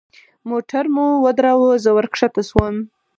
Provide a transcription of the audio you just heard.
موټر مو ودراوه زه ورکښته سوم.